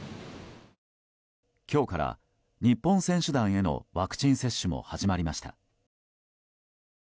今日から日本選手団へのワクチン接種も始まりました。